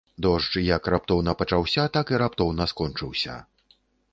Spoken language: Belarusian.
Дождж як раптоўна пачаўся, так і раптоўна скончыўся.